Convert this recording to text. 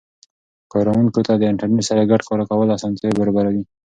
کاروونکو ته د انټرنیټ سره ګډ کار کول اسانتیا برابر وي.